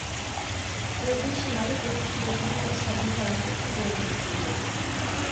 جۇڭگو شىمالىي دېڭىز فلوتىنىڭ بەش ھەربىي پاراخوتى زىيانغا ئۇچرىدى.